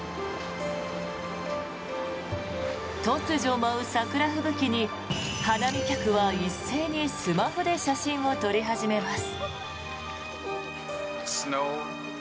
突如、舞う桜吹雪に花見客は一斉に写真を撮り始めます。